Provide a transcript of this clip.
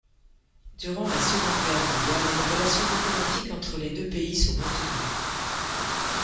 Durant la Seconde Guerre mondiale, les relations diplomatiques entre les deux pays sont maintenues.